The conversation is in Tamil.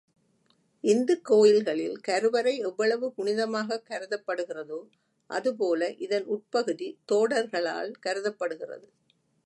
இந்துக் கோயில்களில் கருவறை எவ்வளவு புனிதமாகக் கருதப்படுகிறதோ, அது போல இதன் உட்பகுதி தோடர்களால் கருதப்படுகிறது.